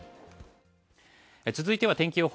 続いては天気予報。